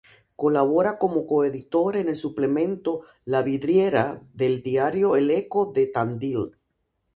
Colabora como coeditor en el suplemento "La Vidriera" del Diario El Eco de Tandil.